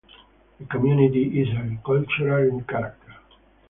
The community is agricultural in character.